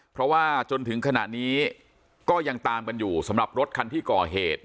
เพราะว่าจนถึงขณะนี้ก็ยังตามกันอยู่สำหรับรถคันที่ก่อเหตุ